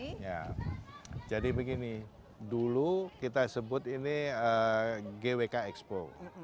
pembicara dua puluh empat jadi begini dulu kita sebut ini gwk expo